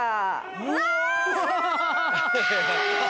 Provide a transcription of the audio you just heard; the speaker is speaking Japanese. うわ！